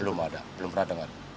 belum ada belum pernah dengar